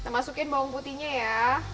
masukin bawang putihnya ya